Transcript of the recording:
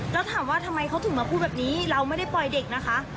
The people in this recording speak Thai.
แล้วถามว่าทำไมเขาถึงมาพูดแบบนี้เราไม่ได้ปล่อยเด็กนะคะ